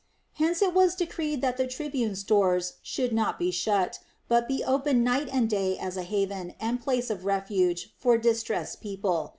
Hence it was decreed that the tribune's doors should not be shut, but be open night and day as a haven and place of refuge for distressed people.